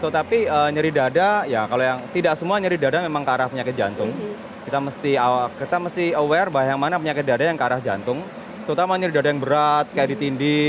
tapi kalau dari ibu mela kalau dari catatan yayasan jantung indonesia itu